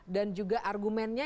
dan juga argumennya